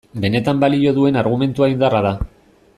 Benetan balio duen argumentua indarra da.